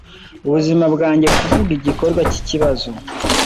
ubuzima bwanjye kuvuga igikorwa cyikibazo